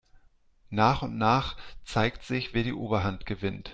Nach und nach zeigt sich, wer die Oberhand gewinnt.